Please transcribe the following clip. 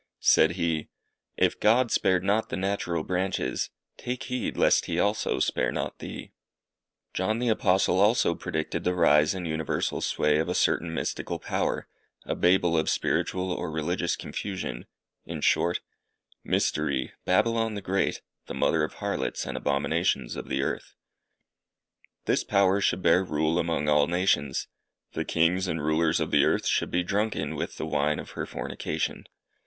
Said he "If God spared not the natural branches, take heed lest he also spare not thee." John the Apostle also predicted the rise and universal sway of a certain mystical power, a Babel of spiritual or religious confusion, in short "Mystery, Babylon the great, the mother of harlots and abominations of the earth." This power should bear rule among all nations. The kings and rulers of the earth should be drunken with the wine of her fornication.